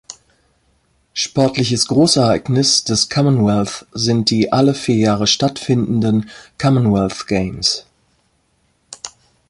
Sportliches Großereignis des Commonwealth sind die alle vier Jahre stattfindenden Commonwealth Games.